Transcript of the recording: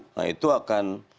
nah itu akan